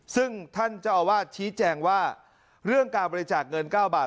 ซึ่งท่านเจ้าอาวาสชี้แจงว่าเรื่องการบริจาคเงิน๙บาท